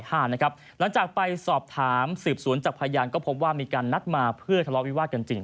หลังจากไปสอบถามสืบสวนจากพยานก็พบว่ามีการนัดมาเพื่อทะเลาวิวาสกันจริง